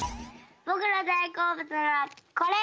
ぼくのだいこうぶつはこれ！